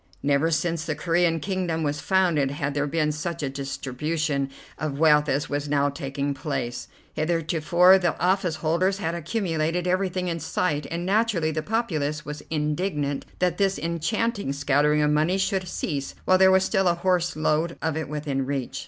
Never since the Corean kingdom was founded had there been such a distribution of wealth as was now taking place. Heretofore the office holders had accumulated everything in sight, and naturally the populace was indignant that this enchanting scattering of money should cease while there was still a horseload of it within reach.